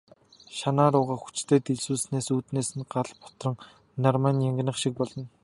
Шанаа руугаа хүчтэй дэлсүүлснээс нүднээс нь гал бутран, нармай нь янгинах шиг болно.